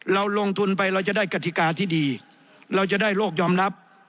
เราลงทุนไปเราจะได้กฎิกาที่ดีเราจะได้โลกยอมรับ